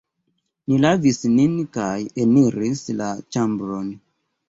Ni lavis nin kaj eniris la ĉambron.